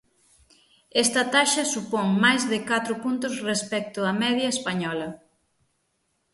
Esta taxa supón máis de catro puntos respecto á media española.